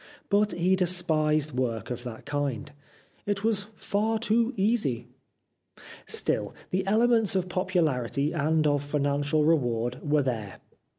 But he despised work of that kind. " It was far too easy." Still the elements of popularity and of financial reward were there.